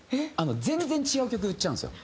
全然違う曲いっちゃうんですよ。